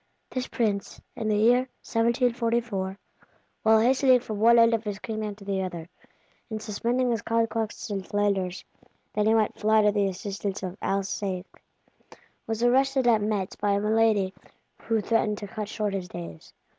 This Prince, in the year 1744, while hastening from one end of his kingdom to the other, and suspending his conquests in Flanders that he might fly to the assistance of Alsace, was arrested at Metz by a malady which threatened to cut short his days.